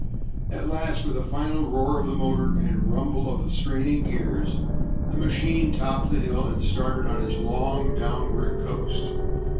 At last with a final roar of the motor, and rumble of the straining gears, the machine topped the hill and started on its long downward coast.